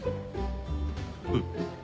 うん。